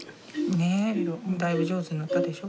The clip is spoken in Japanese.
ねえだいぶ上手になったでしょ？